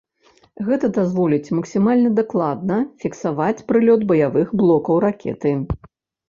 Гэта дазволіць максімальна дакладна фіксаваць прылёт баявых блокаў ракеты.